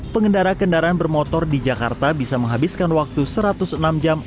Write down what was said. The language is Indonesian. pengendara kendaraan bermotor di jakarta bisa menghabiskan waktu satu ratus enam jam